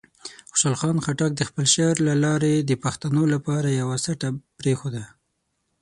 خوشحال خان خټک د خپل شعر له لارې د پښتنو لپاره یوه سټه پرېښوده.